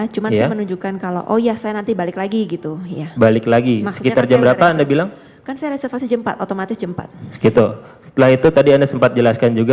coba diputar pelan pelan